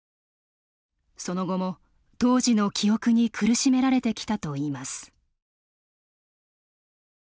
その後も当時の記憶に苦しめられてきたといいます。